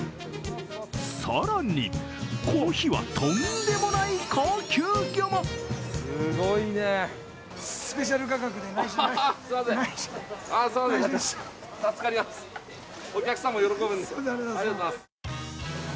更に、この日はとんでもない高級魚も！